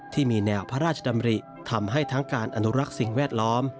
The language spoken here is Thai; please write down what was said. ที่มีแนวพระราชดำริทำให้ทั้งการอนุรักษ์สิ่งแวดล้อม